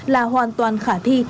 là hoàn toàn khả thi